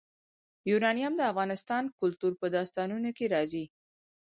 یورانیم د افغان کلتور په داستانونو کې راځي.